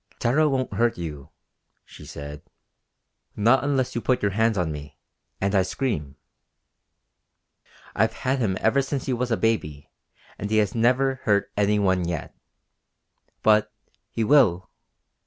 "Tara won't hurt you," she said. "Not unless you put your hands on me, and I scream. I've had him ever since he was a baby and he has never hurt any one yet. But he will!"